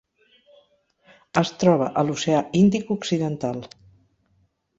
Es troba a l'Oceà Índic occidental: